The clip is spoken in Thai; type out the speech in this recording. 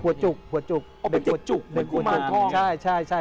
หัวจุกหัวจุกอ๋อเป็นเด็กจุกเหมือนกุมารท่องใช่ใช่ใช่